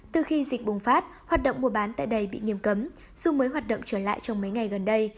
từ khi dịch bùng phát hoạt động mua bán tại đây bị nghiêm cấm dù mới hoạt động trở lại trong mấy ngày gần đây